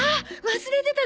忘れてた！